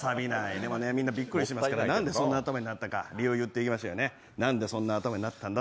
でもね、みんなびっくりしますからなんでそんな頭になったのか理由を言っていきますよ、なんでそんな頭になったか。